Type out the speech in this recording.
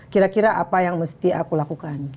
kira kira apa yang mesti aku lakukan